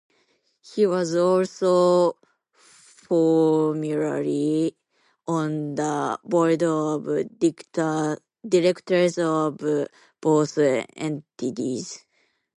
He was also formerly on the Board of Directors of both entities.